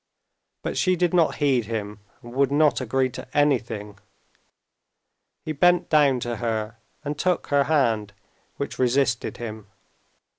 But she did not heed him, and would not agree to anything. He bent down to her and took her hand, which resisted him.